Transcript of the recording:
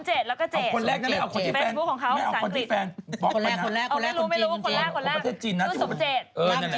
เอาคนแรกนะไม่เอาคนที่แฟน